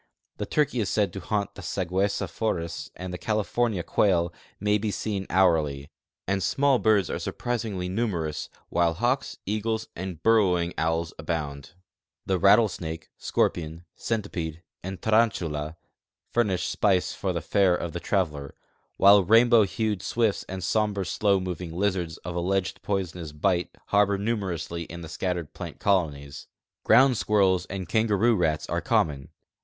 The turkey is said to haunt the saguesa forests and the California quail may be seen hourly, and small birds are surprisingly numerous, while hawks, eagles, and burrowing owls S ERIE AND 131 abound. The rattlesnake, scor[)ion, centipede, and tarantula furnish spice for the fare of the traveler, while rainbow hned swifts and somber, slow moving lizards of alleged poisonous bite harbor numerously in the scattered plant colonies. Ground squirrels and kangaroo rats are common.